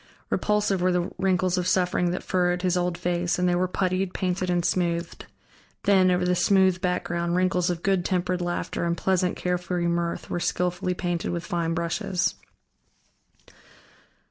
Repulsive were the wrinkles of suffering that furrowed his old face, and they were puttied, painted, and smoothed; then, over the smooth background, wrinkles of good tempered laughter and pleasant, carefree mirth were skillfully painted with fine brushes.